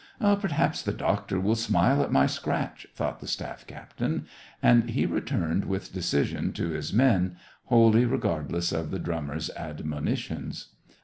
*' Perhaps the doctor will smile at my scratch," thought the staff captain, and he returned with decision to his men, wholly regardless of the drummer's admonitions.